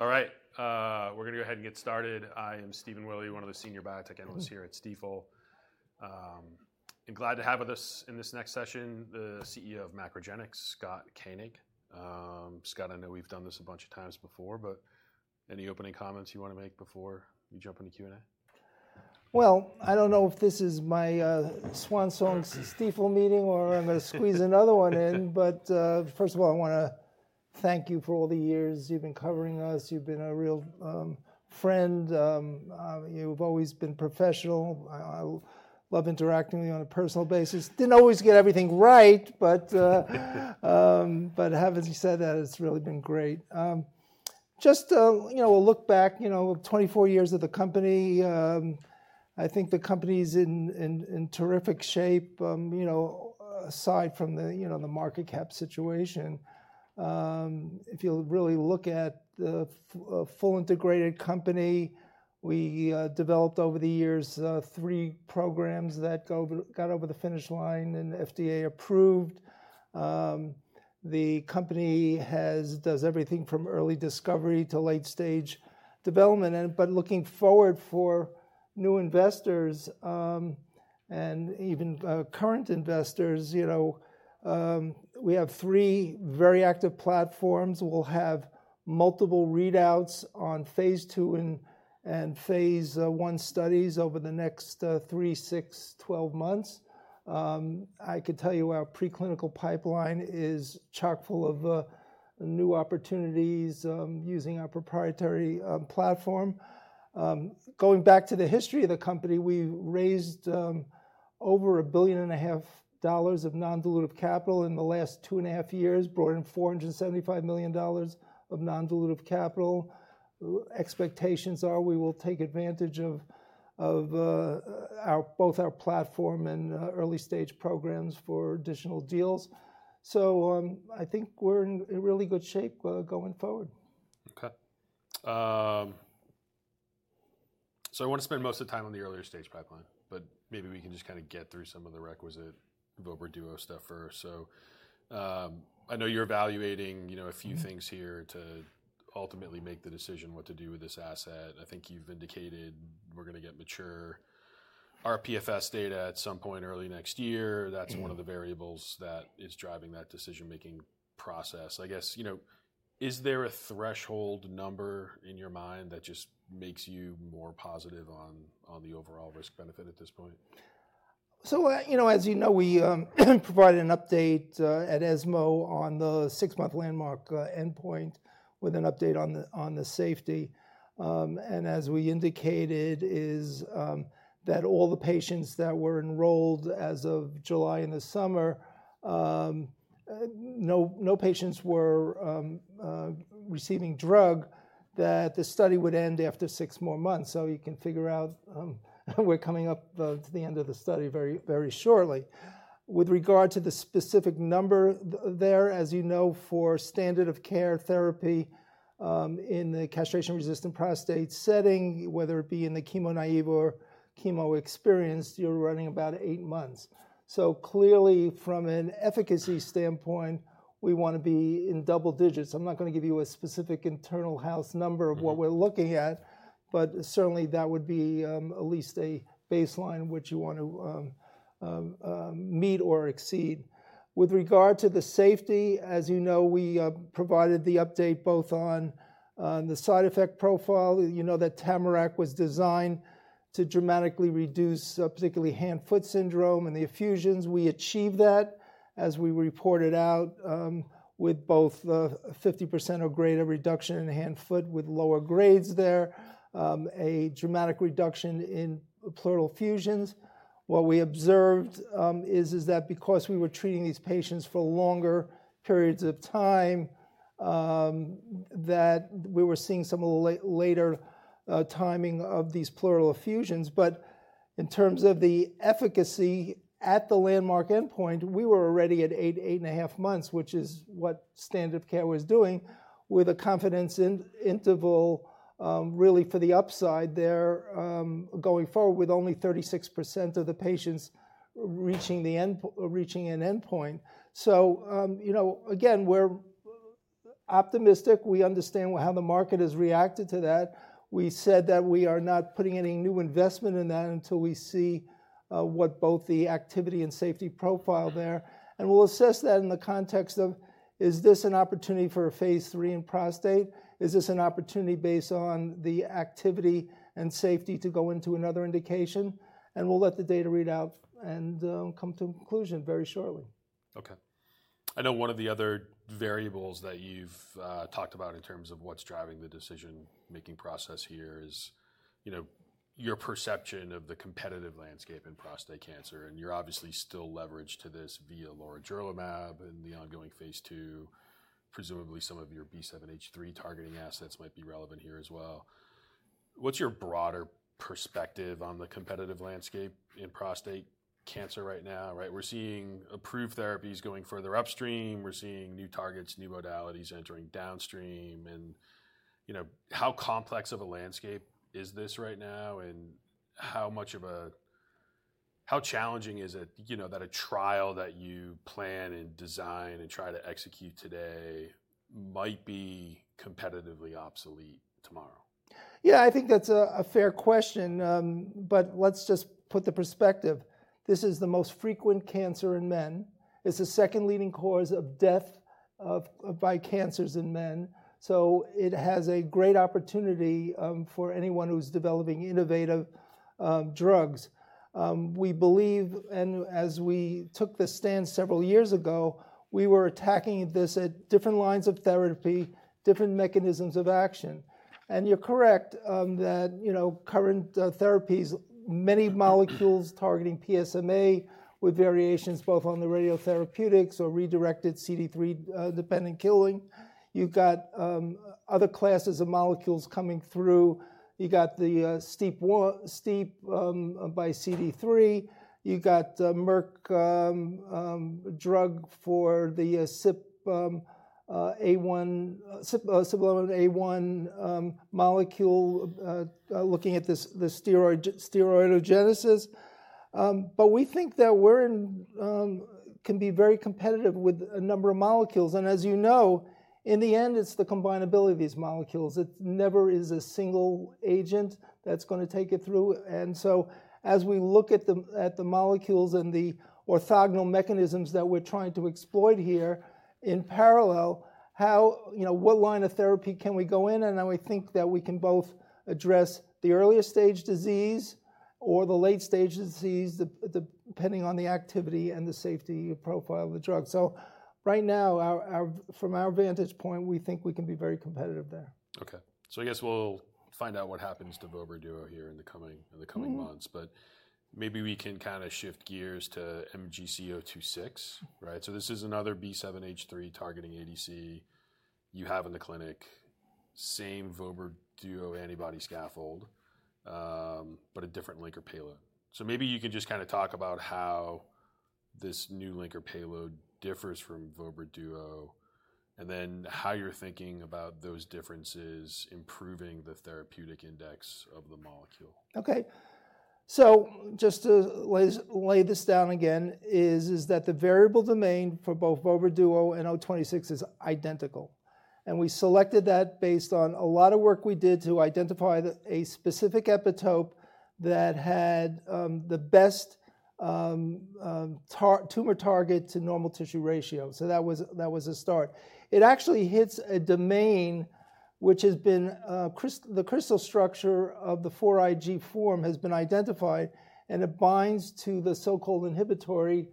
All right. We're going to go ahead and get started. I am Stephen Willey, one of the Senior Biotech Analysts here at Stifel. I'm glad to have with us in this next session the CEO of MacroGenics, Scott Koenig. Scott, I know we've done this a bunch of times before, but any opening comments you want to make before we jump into Q&A? I don't know if this is my swan song Stifel meeting or I'm going to squeeze another one in, but first of all, I want to thank you for all the years you've been covering us. You've been a real friend. You've always been professional. I love interacting with you on a personal basis. Didn't always get everything right, but having said that, it's really been great. Just a look back, you know, 24 years of the company. I think the company's in terrific shape, you know, aside from the market cap situation. If you really look at the full integrated company, we developed over the years three programs that got over the finish line and FDA approved. The company does everything from early discovery to late-stage development, but looking forward for new investors and even current investors, you know, we have three very active platforms. We'll have multiple readouts on phase II and phase I studies over the next three, six, twelve months. I could tell you our preclinical pipeline is chock-full of new opportunities using our proprietary platform. Going back to the history of the company, we raised over $1.5 billion of non-dilutive capital in the last 2.5 years, brought in $475 million of non-dilutive capital. Expectations are we will take advantage of both our platform and early-stage programs for additional deals. So I think we're in really good shape going forward. Okay. So I want to spend most of the time on the early-stage pipeline, but maybe we can just kind of get through some of the requisite overdue stuff first. So I know you're evaluating a few things here to ultimately make the decision what to do with this asset. I think you've indicated we're going to get mature rPFS data at some point early next year. That's one of the variables that is driving that decision-making process. I guess, you know, is there a threshold number in your mind that just makes you more positive on the overall risk-benefit at this point? So, you know, as you know, we provided an update at ESMO on the six-month landmark endpoint with an update on the safety. And as we indicated, is that all the patients that were enrolled as of July in the summer, no patients were receiving drug that the study would end after six more months. So you can figure out we're coming up to the end of the study very shortly. With regard to the specific number there, as you know, for standard of care therapy in the castration-resistant prostate setting, whether it be in the chemo-naive or chemo-experienced, you're running about eight months. So clearly, from an efficacy standpoint, we want to be in double digits. I'm not going to give you a specific internal house number of what we're looking at, but certainly that would be at least a baseline which you want to meet or exceed. With regard to the safety, as you know, we provided the update both on the side effect profile. You know that TAMARACK was designed to dramatically reduce particularly hand-foot syndrome and the effusions. We achieved that as we reported out with both 50% or greater reduction in hand-foot syndrome with lower grades there, a dramatic reduction in pleural effusions. What we observed is that because we were treating these patients for longer periods of time, that we were seeing some of the later timing of these pleural effusions. But in terms of the efficacy at the landmark endpoint, we were already at 8.5 months, which is what standard of care was doing with a confidence interval really for the upside there going forward with only 36% of the patients reaching an endpoint. So, you know, again, we're optimistic. We understand how the market has reacted to that. We said that we are not putting any new investment in that until we see what both the activity and safety profile there. And we'll assess that in the context of, is this an opportunity for a phase III in prostate? Is this an opportunity based on the activity and safety to go into another indication? And we'll let the data read out and come to a conclusion very shortly. Okay. I know one of the other variables that you've talked about in terms of what's driving the decision-making process here is, you know, your perception of the competitive landscape in prostate cancer. And you're obviously still leveraged to this via lorigerlimab and the ongoing phase II. Presumably, some of your B7-H3 targeting assets might be relevant here as well. What's your broader perspective on the competitive landscape in prostate cancer right now? Right. We're seeing approved therapies going further upstream. We're seeing new targets, new modalities entering downstream. And, you know, how complex of a landscape is this right now? And how much of a, how challenging is it, you know, that a trial that you plan and design and try to execute today might be competitively obsolete tomorrow? Yeah, I think that's a fair question, but let's just put it in perspective. This is the most frequent cancer in men. It's the second leading cause of death by cancers in men, so it has a great opportunity for anyone who's developing innovative drugs. We believe, and as we took a stand several years ago, we were attacking this at different lines of therapy, different mechanisms of action, and you're correct that, you know, current therapies, many molecules targeting PSMA with variations both on the radiotherapeutics or redirected CD3 dependent killing. You've got other classes of molecules coming through. You got the STEAP1 by CD3. You got Merck drug for the CYP17A1 molecule looking at the steroidogenesis, but we think that we can be very competitive with a number of molecules, and as you know, in the end, it's the combinability of these molecules. It never is a single agent that's going to take it through. And so as we look at the molecules and the orthogonal mechanisms that we're trying to exploit here in parallel, how, you know, what line of therapy can we go in? And I think that we can both address the earlier stage disease or the late stage disease, depending on the activity and the safety profile of the drug. So right now, from our vantage point, we think we can be very competitive there. Okay. So I guess we'll find out what happens to vobra duo here in the coming months, but maybe we can kind of shift gears to MGC026, right? So this is another B7-H3 targeting ADC you have in the clinic, same vobra duo antibody scaffold, but a different linker payload. So maybe you can just kind of talk about how this new linker payload differs from vobra duo and then how you're thinking about those differences improving the therapeutic index of the molecule. Okay. So just to lay this down again is that the variable domain for both vobra duo and 026 is identical. And we selected that based on a lot of work we did to identify a specific epitope that had the best tumor target to normal tissue ratio. So that was a start. It actually hits a domain which has been the crystal structure of the IgG4 form has been identified and it binds to the so-called inhibitory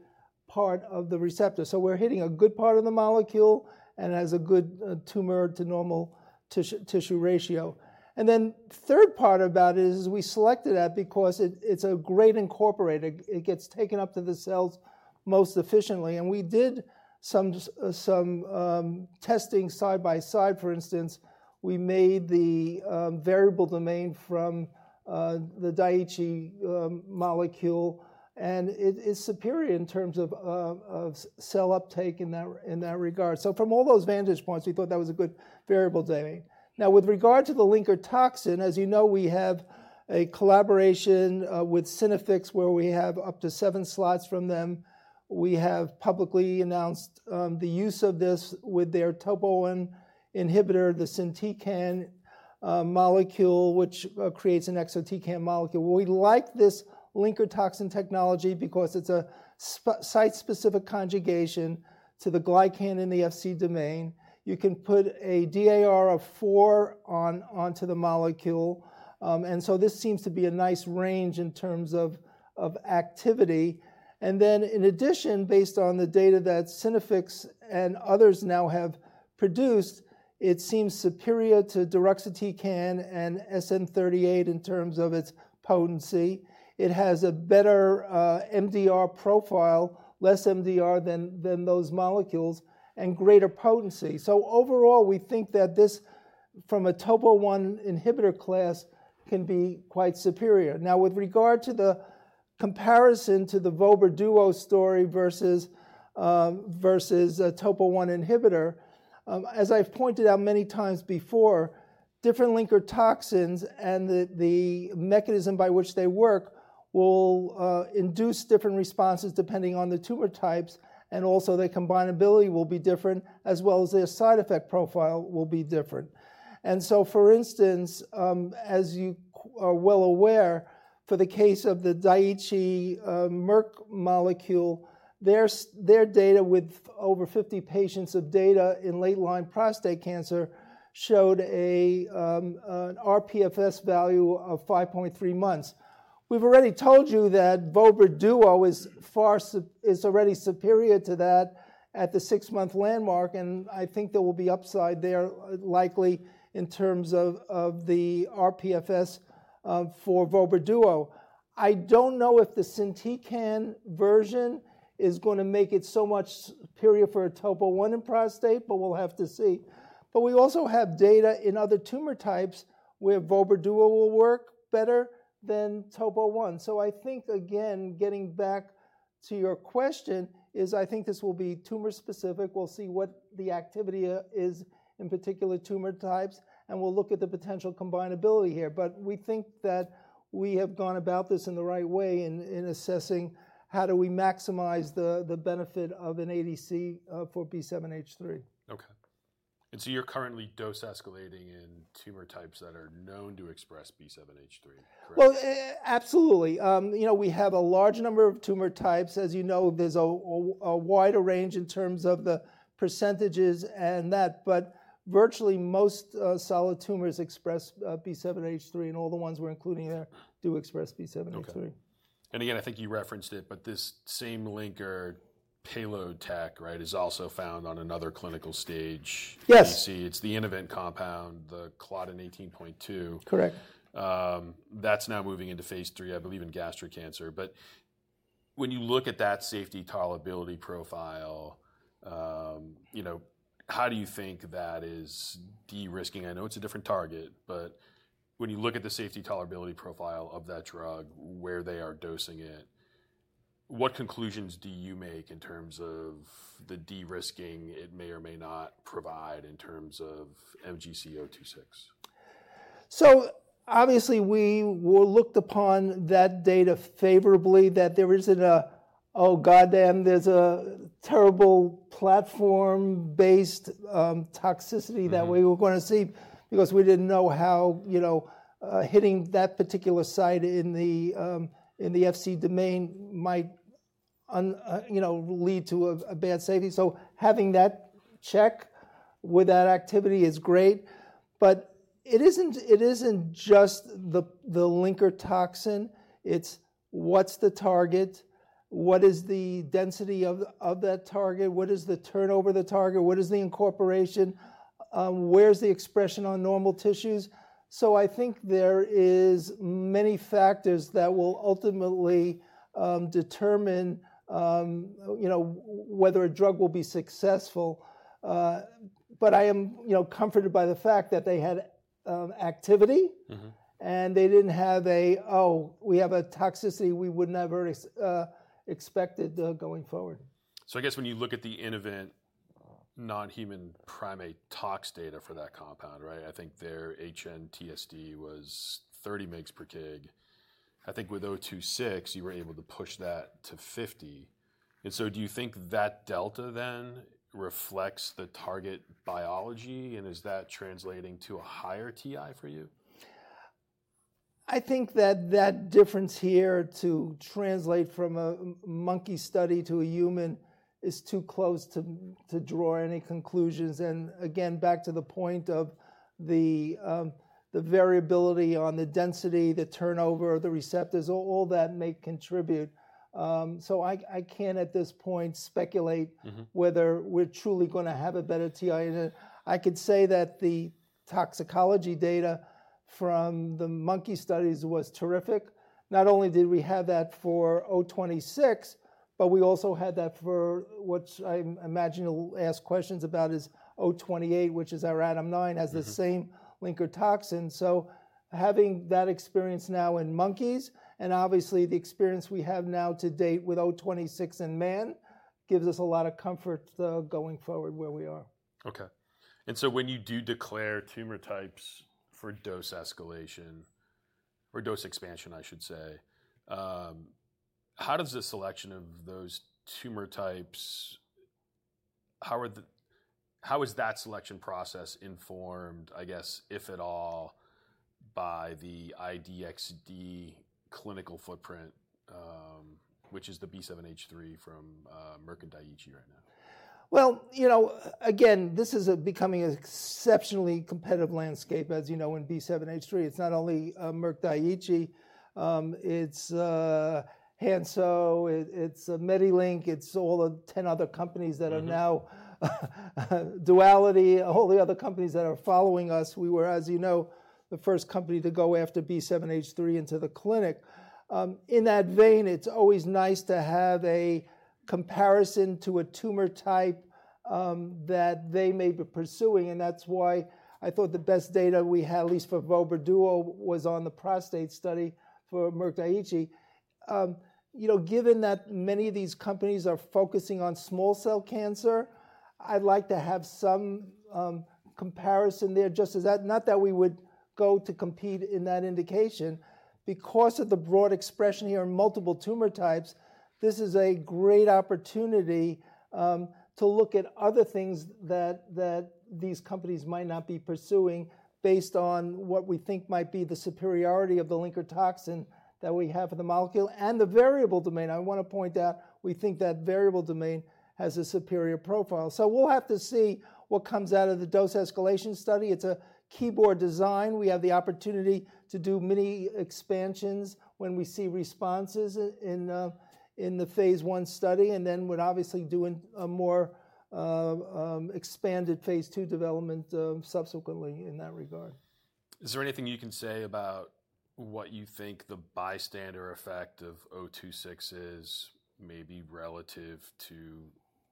part of the receptor. So we're hitting a good part of the molecule and has a good tumor to normal tissue ratio. And then the third part about it is we selected that because it's a great incorporator. It gets taken up to the cells most efficiently. And we did some testing side by side. For instance, we made the variable domain from the Daiichi molecule and it is superior in terms of cell uptake in that regard. So from all those vantage points, we thought that was a good variable domain. Now, with regard to the linker toxin, as you know, we have a collaboration with Synaffix where we have up to seven slots from them. We have publicly announced the use of this with their topo inhibitor, the SYNtecan molecule, which creates an exatecan molecule. We like this linker toxin technology because it's a site-specific conjugation to the glycan in the Fc domain. You can put a DAR4 onto the molecule. And so this seems to be a nice range in terms of activity. And then in addition, based on the data that Synaffix and others now have produced, it seems superior to deruxtecan and SN-38 in terms of its potency. It has a better MDR profile, less MDR than those molecules, and greater potency. So overall, we think that this from a topo 1 inhibitor class can be quite superior. Now, with regard to the comparison to the vobra duo story versus topo 1 inhibitor, as I've pointed out many times before, different linker toxins and the mechanism by which they work will induce different responses depending on the tumor types. And also the combinability will be different, as well as their side effect profile will be different. And so, for instance, as you are well aware, for the case of the Daiichi Merck molecule, their data with over 50 patients of data in late-line prostate cancer showed an rPFS value of 5.3 months. We've already told you that vobra duo is already superior to that at the six-month landmark. And I think there will be upside there likely in terms of the rPFS for vobra duo. I don't know if the SYNtecan version is going to make it so much superior for a topo 1 in prostate, but we'll have to see. But we also have data in other tumor types where vobra duo will work better than topo 1. So I think, again, getting back to your question is I think this will be tumor specific. We'll see what the activity is in particular tumor types and we'll look at the potential combinability here. But we think that we have gone about this in the right way in assessing how do we maximize the benefit of an ADC for B7-H3. Okay. And so you're currently dose escalating in tumor types that are known to express B7-H3. Absolutely. You know, we have a large number of tumor types. As you know, there's a wider range in terms of the percentages and that, but virtually most solid tumors express B7-H3 and all the ones we're including there do express B7-H3. And again, I think you referenced it, but this same linker payload tech, right, is also found on another clinical stage. Yes. It's the Innovent compound, the Claudin 18.2. Correct. That's now moving into phase III, I believe, in gastric cancer. But when you look at that safety tolerability profile, you know, how do you think that is de-risking? I know it's a different target, but when you look at the safety tolerability profile of that drug, where they are dosing it, what conclusions do you make in terms of the de-risking it may or may not provide in terms of MGC026? So obviously we looked upon that data favorably that there isn't a, oh God damn, there's a terrible platform-based toxicity that we were going to see because we didn't know how, you know, hitting that particular site in the Fc domain might, you know, lead to a bad safety. So having that check with that activity is great, but it isn't just the linker toxin. It's what's the target, what is the density of that target, what is the turnover of the target, what is the incorporation, where's the expression on normal tissues? So I think there are many factors that will ultimately determine, you know, whether a drug will be successful. But I am, you know, comforted by the fact that they had activity and they didn't have a, oh, we have a toxicity we would never have expected going forward. So I guess when you look at the Innovent non-human primate tox data for that compound, right? I think their HNTSD was 30 mg per kg. I think with MGC026 you were able to push that to 50. And so do you think that delta then reflects the target biology and is that translating to a higher TI for you? I think that that difference here to translate from a monkey study to a human is too close to draw any conclusions. And again, back to the point of the variability on the density, the turnover, the receptors, all that may contribute. So I can't at this point speculate whether we're truly going to have a better TI. I could say that the toxicology data from the monkey studies was terrific. Not only did we have that for MGC026, but we also had that for what I imagine you'll ask questions about is MGC028, which is our ADAM9, has the same linker toxin. So having that experience now in monkeys and obviously the experience we have now to date with MGC026 in man gives us a lot of comfort going forward where we are. Okay. And so when you do declare tumor types for dose escalation or dose expansion, I should say, how does the selection of those tumor types, how is that selection process informed, I guess, if at all, by the I-DXd clinical footprint, which is the B7-H3 from Merck and Daiichi right now? Well, you know, again, this is becoming an exceptionally competitive landscape, as you know, in B7-H3. It's not only Merck, Daiichi, it's Hansoh, it's MediLink, it's all the 10 other companies that are now Duality, all the other companies that are following us. We were, as you know, the first company to go after B7-H3 into the clinic. In that vein, it's always nice to have a comparison to a tumor type that they may be pursuing. And that's why I thought the best data we had, at least for vobra duo, was on the prostate study for Merck, Daiichi. You know, given that many of these companies are focusing on small cell cancer, I'd like to have some comparison there just as that, not that we would go to compete in that indication. Because of the broad expression here in multiple tumor types, this is a great opportunity to look at other things that these companies might not be pursuing based on what we think might be the superiority of the linker toxin that we have for the molecule and the variable domain. I want to point out we think that variable domain has a superior profile. So we'll have to see what comes out of the dose escalation study. It's a cohort design. We have the opportunity to do many expansions when we see responses in the phase I study and then would obviously do a more expanded phase II development subsequently in that regard. Is there anything you can say about what you think the bystander effect of MGC026 is maybe relative to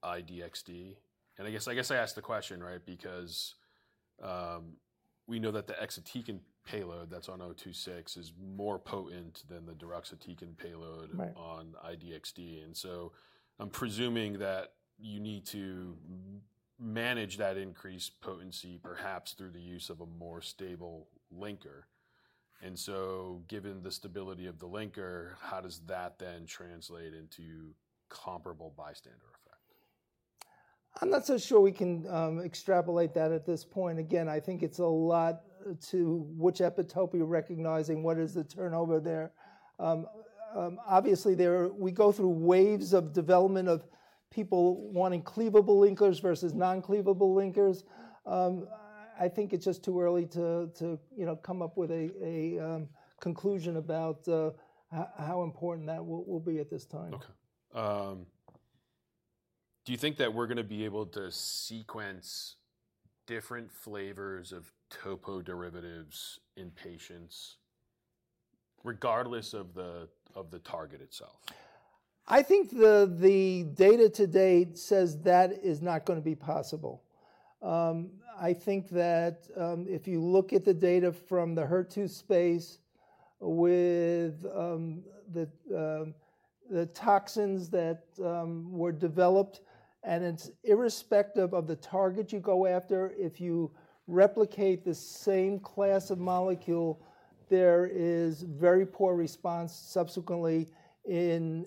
I-DXd? And I guess I asked the question, right? Because we know that the exatecan payload that's on MGC026 is more potent than the deruxtecan payload on I-DXd. And so I'm presuming that you need to manage that increased potency perhaps through the use of a more stable linker. And so given the stability of the linker, how does that then translate into comparable bystander effect? I'm not so sure we can extrapolate that at this point. Again, I think it's a lot to which epitope you're recognizing, what is the turnover there. Obviously, there, we go through waves of development of people wanting cleavable linkers versus non-cleavable linkers. I think it's just too early to, you know, come up with a conclusion about how important that will be at this time. Okay. Do you think that we're going to be able to sequence different flavors of topo derivatives in patients regardless of the target itself? I think the data to date says that is not going to be possible. I think that if you look at the data from the HER2 space with the toxins that were developed and it's irrespective of the target you go after, if you replicate the same class of molecule, there is very poor response subsequently in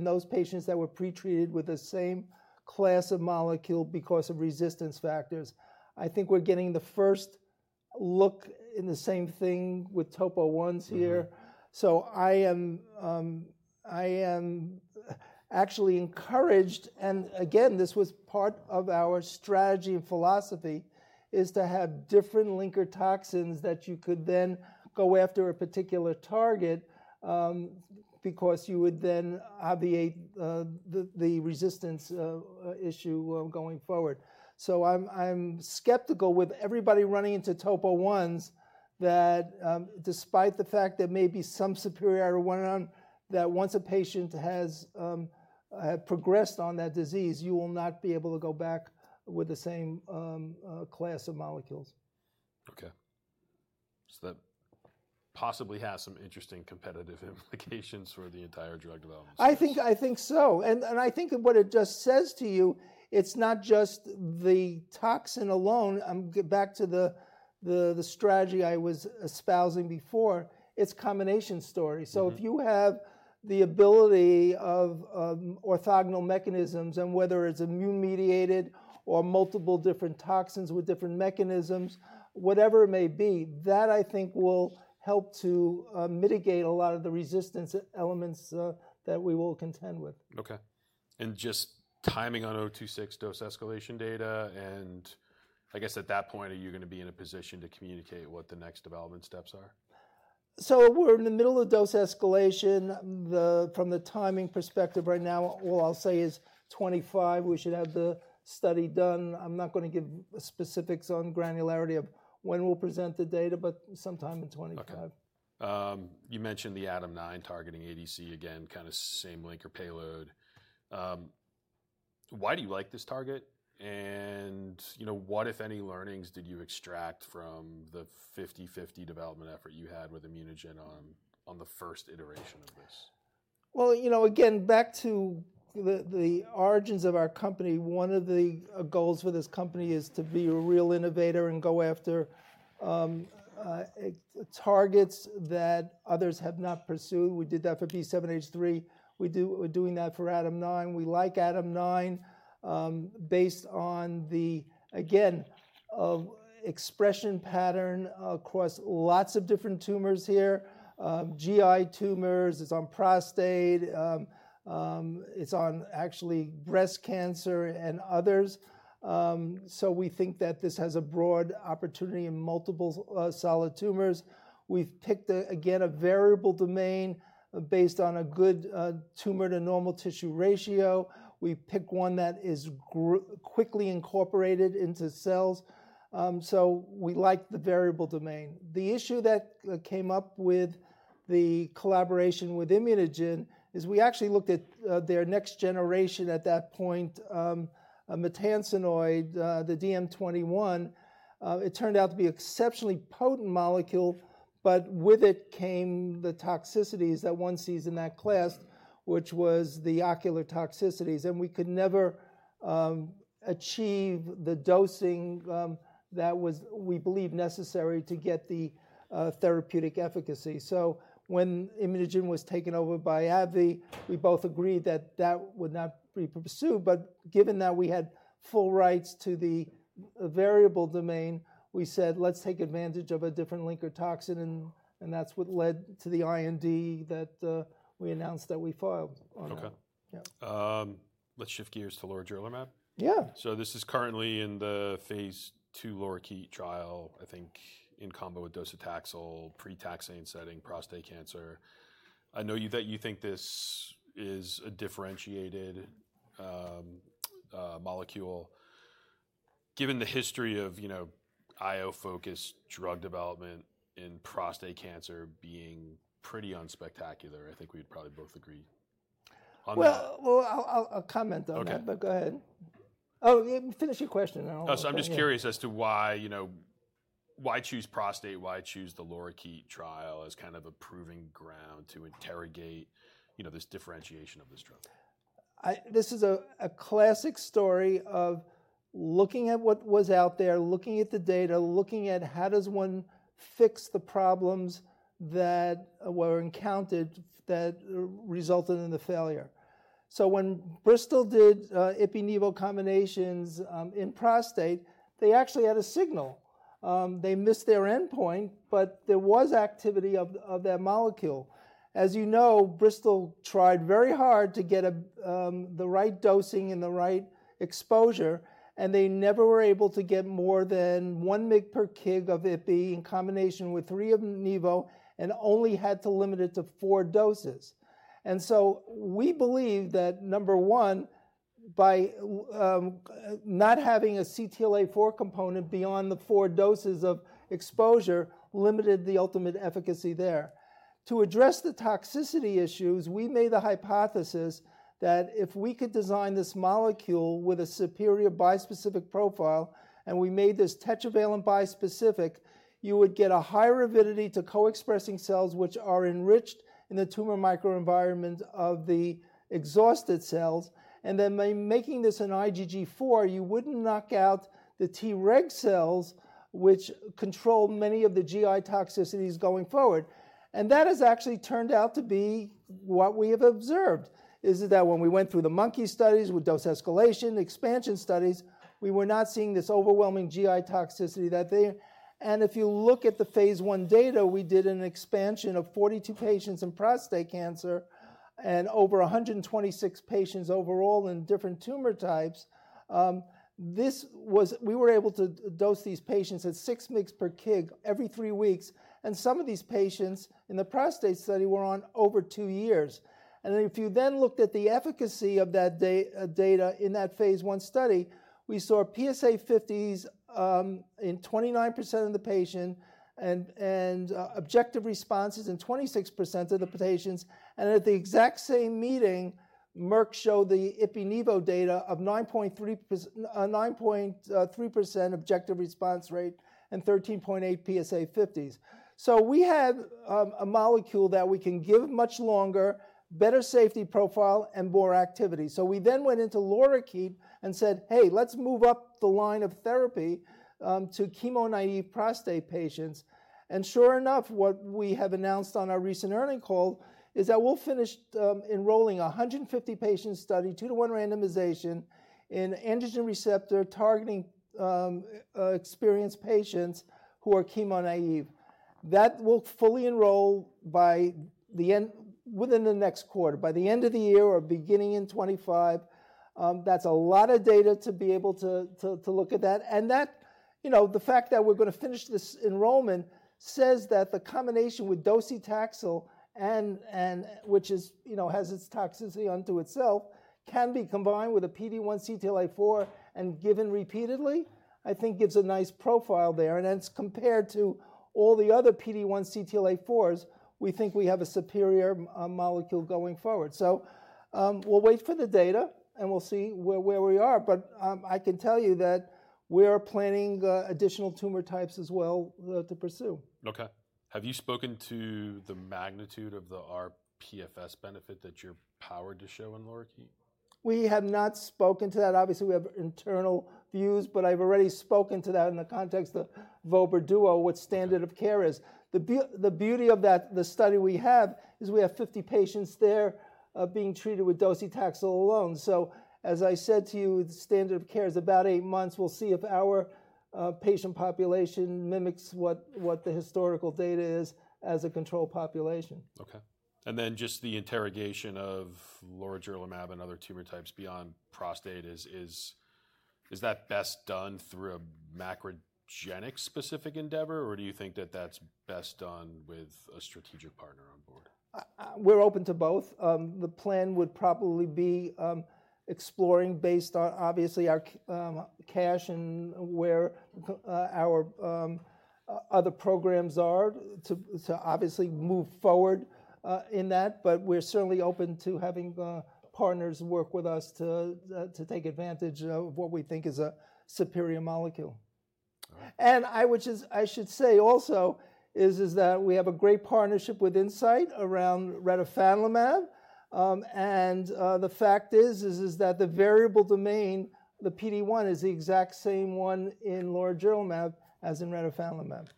those patients that were pretreated with the same class of molecule because of resistance factors. I think we're getting the first look in the same thing with topo 1s here. So I am actually encouraged, and again this was part of our strategy and philosophy is to have different linker toxins that you could then go after a particular target because you would then obviate the resistance issue going forward. So I'm skeptical with everybody running into topo 1s that despite the fact that maybe some superiority went on that once a patient has progressed on that disease, you will not be able to go back with the same class of molecules. Okay, so that possibly has some interesting competitive implications for the entire drug development. I think so, and I think what it just says to you, it's not just the toxin alone. I'm back to the strategy I was espousing before. It's a combination story, so if you have the ability of orthogonal mechanisms and whether it's immune mediated or multiple different toxins with different mechanisms, whatever it may be, that I think will help to mitigate a lot of the resistance elements that we will contend with. Okay, and just timing on MGC026 dose escalation data, and I guess at that point, are you going to be in a position to communicate what the next development steps are? We're in the middle of dose escalation. From the timing perspective right now, all I'll say is, 2025 we should have the study done. I'm not going to give specifics on granularity of when we'll present the data, but sometime in 2025. Okay. You mentioned the ADAM9 targeting ADC again, kind of same linker payload. Why do you like this target, and you know, what, if any, learnings did you extract from the 50/50 development effort you had with ImmunoGen on the first iteration of this? Well, you know, again, back to the origins of our company, one of the goals with this company is to be a real innovator and go after targets that others have not pursued. We did that for B7-H3. We're doing that for ADAM9. We like ADAM9 based on the, again, expression pattern across lots of different tumors here. GI tumors, it's on prostate, it's on actually breast cancer and others. So we think that this has a broad opportunity in multiple solid tumors. We've picked again a variable domain based on a good tumor to normal tissue ratio. We picked one that is quickly incorporated into cells. So we like the variable domain. The issue that came up with the collaboration with ImmunoGen is we actually looked at their next generation at that point, a maytansinoid, the DM21. It turned out to be an exceptionally potent molecule, but with it came the toxicities that one sees in that class, which was the ocular toxicities. And we could never achieve the dosing that was, we believe, necessary to get the therapeutic efficacy. So when ImmunoGen was taken over by AbbVie, we both agreed that that would not be pursued. But given that we had full rights to the variable domain, we said, let's take advantage of a different linker toxin. And that's what led to the IND that we announced that we filed on it. Okay. Let's shift gears to lorigerlimab. Yeah. So this is currently in the phase II LORIKEET trial, I think in combo with docetaxel, pre-taxane setting, prostate cancer. I know that you think this is a differentiated molecule. Given the history of, you know, IO-focused drug development in prostate cancer being pretty unspectacular, I think we'd probably both agree. Well, a comment though, but go ahead. Oh, finish your question. No, so I'm just curious as to why, you know, why choose prostate, why choose the LORIKEET trial as kind of a proving ground to interrogate, you know, this differentiation of this drug? This is a classic story of looking at what was out there, looking at the data, looking at how does one fix the problems that were encountered that resulted in the failure, so when Bristol did ipi nivo combinations in prostate, they actually had a signal. They missed their endpoint, but there was activity of that molecule. As you know, Bristol tried very hard to get the right dosing and the right exposure, and they never were able to get more than 1 mg per kg of ipi in combination with 3 mg of nivo and only had to limit it to four doses, and so we believe that number one, by not having a CTLA-4 component beyond the four doses of exposure, limited the ultimate efficacy there. To address the toxicity issues, we made the hypothesis that if we could design this molecule with a superior bispecific profile and we made this tetravalent bispecific, you would get a higher avidity to co-expressing cells, which are enriched in the tumor microenvironment of the exhausted cells. And then by making this an IgG4, you wouldn't knock out the T-reg cells, which control many of the GI toxicities going forward. And that has actually turned out to be what we have observed, is that when we went through the monkey studies with dose escalation expansion studies, we were not seeing this overwhelming GI toxicity that there. And if you look at the phase I data, we did an expansion of 42 patients in prostate cancer and over 126 patients overall in different tumor types. This was. We were able to dose these patients at six mg per kg every three weeks. And some of these patients in the prostate study were on over two years. And then if you then looked at the efficacy of that data in that phase I study, we saw PSA50s in 29% of the patients and objective responses in 26% of the patients. And at the exact same meeting, Merck showed the ipi nivo data of 9.3% objective response rate and 13.8% PSA50s. So we have a molecule that we can give much longer, better safety profile, and more activity. So we then went into LORIKEET and said, hey, let's move up the line of therapy to chemo-naive prostate patients. Sure enough, what we have announced on our recent earnings call is that we'll finish enrolling 150 patients studied, two-to-one randomization in androgen receptor targeting experienced patients who are chemo-naive. That will fully enroll by the end, within the next quarter, by the end of the year or beginning in 2025. That's a lot of data to be able to look at that. And that, you know, the fact that we're going to finish this enrollment says that the combination with docetaxel, which is, you know, has its toxicity unto itself, can be combined with a PD-1 CTLA-4 and given repeatedly, I think gives a nice profile there. And it's compared to all the other PD-1 CTLA-4s, we think we have a superior molecule going forward. So we'll wait for the data and we'll see where we are. But I can tell you that we are planning additional tumor types as well to pursue. Okay. Have you spoken to the magnitude of the rPFS benefit that you're powered to show in LORIKEET? We have not spoken to that. Obviously, we have internal views, but I've already spoken to that in the context of vobra duo, what standard of care is. The beauty of that, the study we have is we have 50 patients there being treated with docetaxel alone. So as I said to you, the standard of care is about eight months. We'll see if our patient population mimics what the historical data is as a control population. Okay. And then just the expansion of lorigerlimab and other tumor types beyond prostate, is that best done through a MacroGenics-specific endeavor or do you think that that's best done with a strategic partner on board? We're open to both. The plan would probably be exploring based on obviously our cash and where our other programs are to obviously move forward in that. But we're certainly open to having partners work with us to take advantage of what we think is a superior molecule. And I, which is, I should say also is that we have a great partnership with Incyte around retifanlimab. And the fact is, is that the variable domain, the PD-1 is the exact same one in lorigerlimab as in retifanlimab.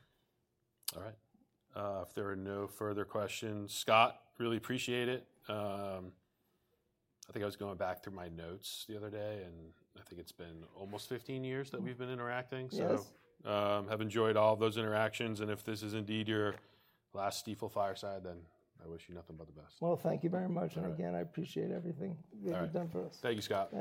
All right. If there are no further questions, Scott, really appreciate it. I think I was going back through my notes the other day and I think it's been almost 15 years that we've been interacting. So have enjoyed all of those interactions. And if this is indeed your last Stifel fireside, then I wish you nothing but the best. Thank you very much, and again, I appreciate everything that you've done for us. Thank you, Scott.